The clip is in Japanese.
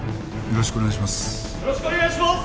よろしくお願いします。